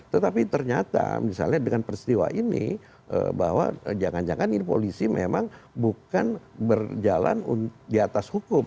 tetapi ternyata misalnya dengan peristiwa ini bahwa jangan jangan ini polisi memang bukan berjalan di atas hukum